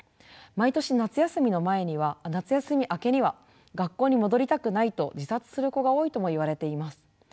毎年夏休み明けには学校に戻りたくないと自殺する子が多いともいわれています。